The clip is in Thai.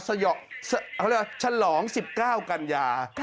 สะหรอกเขาเรียกว่าฉลอง๑๙กัญญา